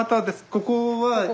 ここは今。